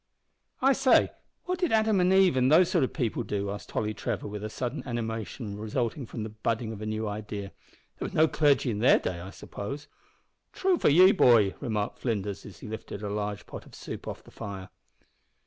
"I say, what did Adam and Eve an' those sort o' people do?" asked Tolly Trevor, with the sudden animation resulting from the budding of a new idea; "there was no clergy in their day, I suppose?" "True for ye, boy," remarked Flinders, as he lifted a large pot of soup off the fire.